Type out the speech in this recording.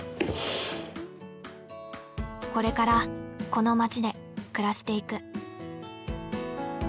これからこの街で暮らしていく。